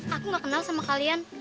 aku gak kenal sama kalian